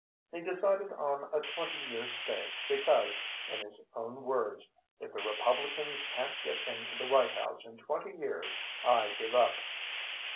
He decided on a twenty year stay because, in his own words, "If the Republicans can't get into the White House in twenty years, I give up."